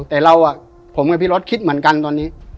แต่เราผมกับพี่รถคิดเหมือนกันตอนนี้